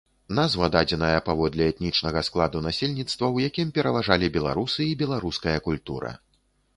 Назва дадзеная паводле этнічнага складу насельніцтва, у якім пераважалі беларусы і беларуская культура.